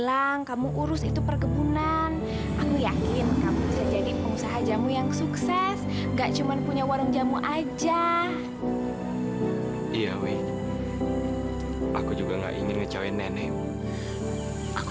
aku juga pengen nunjukin ke dia kalau aku